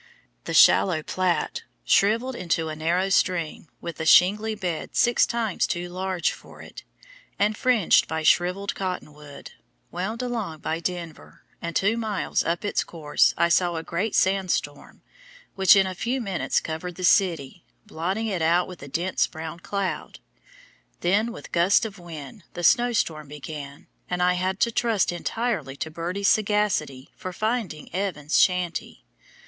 The shallow Platte, shriveled into a narrow stream with a shingly bed six times too large for it, and fringed by shriveled cotton wood, wound along by Denver, and two miles up its course I saw a great sandstorm, which in a few minutes covered the city, blotting it out with a dense brown cloud. Then with gusts of wind the snowstorm began, and I had to trust entirely to Birdie's sagacity for finding Evans's shanty.